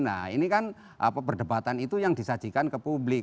nah ini kan perdebatan itu yang disajikan ke publik